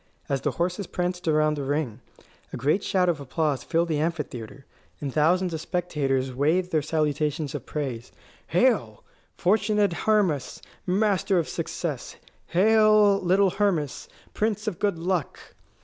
As the horses pranced around the ring, a great shout of applause filled the amphitheatre, and thousands of spectators waved their salutations of praise: "Hail, fortunate Hermas, master of success! Hail, little Hermas, prince of good luck!"